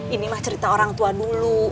ini mah cerita orang tua dulu